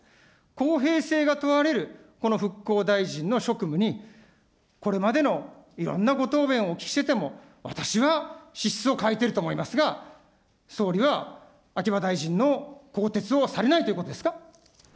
公平性が問われるこの復興大臣の職務に、これまでのいろんなご答弁をお聞きしてても、私は資質を欠いてると思いますが、総理は秋葉大臣の更迭をされないということですか。